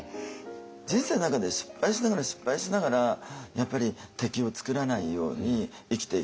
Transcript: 人生の中で失敗しながら失敗しながらやっぱり敵を作らないように生きていかなきゃいけない。